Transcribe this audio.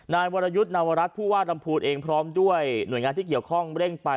นายวรยุทธ์นวรัฐผู้ว่าลำพูนเองพร้อมด้วยหน่วยงานที่เกี่ยวข้องเร่งไป